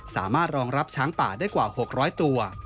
สามารถรองรับช้างป่าได้กว่า๖๐๐ตัว